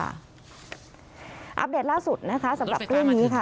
อัปเดตล่าสุดนะคะสำหรับเรื่องนี้ค่ะ